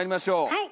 はい！